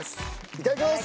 いただきます！